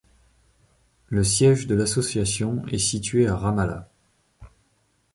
Le siège de l’association est situé à Ramallah.